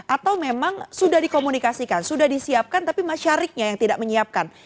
atau memang sudah dikomunikasikan sudah disiapkan tapi masyarakatnya yang tidak menyiapkan